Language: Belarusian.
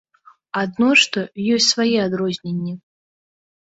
Адно што, ёсць свае адрозненні.